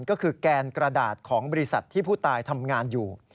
ก็คือแกนกระดาษของบริษัทที่ผู้ตายทำงานอยู่